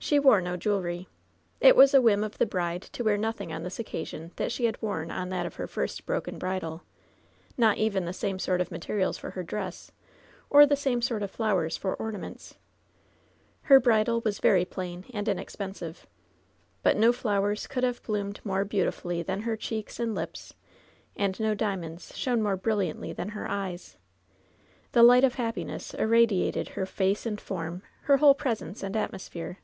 She wore no jewelry. It was a whim of the bride to wear nothing on this occasion that she had worn on that of her first broken bridal — not even the same sort of materials for her dress, or the same sort of flowers for ornaments. Her bridal was very plain and LOVE'S BITTEREST CUP 8S inexpensive. But no flowers could have bloomed more beautifully than her cheeks and lips, and no diamonds shone more brilliantly than her eyes. The light of hap piness irradiated her face and form — ^her whole presr ence and atmosphere.